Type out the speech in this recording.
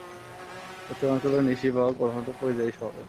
উত্তরাঞ্চলের নিশি বক প্রধানত পরিযায়ী স্বভাবের।